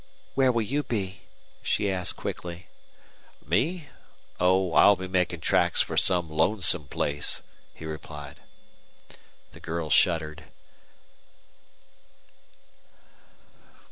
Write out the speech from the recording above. "Where will you be?" she asked, quickly. "Me? Oh, I'll be making tracks for some lonesome place," he replied. The girl shuddered.